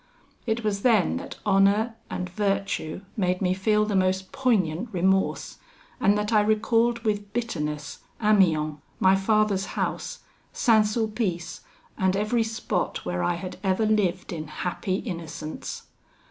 It was then that honour and virtue made me feel the most poignant remorse, and that I recalled with bitterness Amiens, my father's house, St. Sulpice, and every spot where I had ever lived in happy innocence.